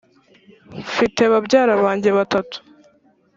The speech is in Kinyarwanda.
mfite babyara banjye batatu